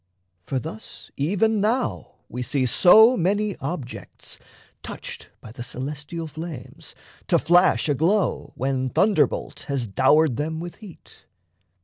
For thus Even now we see so many objects, touched By the celestial flames, to flash aglow, When thunderbolt has dowered them with heat.